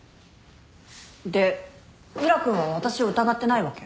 で宇良君は私を疑ってないわけ？